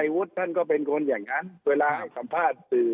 เวลาเมื่อสัมภาษณ์สื่อ